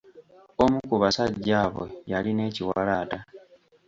Omu ku basajja abo yalina ekiwalaata.